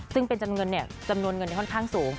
ซึ่งเป็นจำนวนจำนวนเงินค่อนข้างสูง